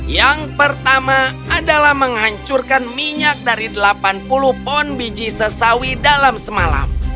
yang pertama adalah menghancurkan minyak dari delapan puluh ton biji sesawi dalam semalam